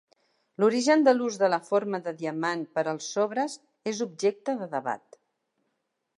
L'origen de l'ús de la forma de diamant per als sobres és objecte de debat.